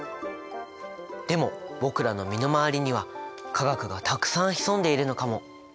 でも僕らの身の回りには化学がたくさん潜んでいるのかも。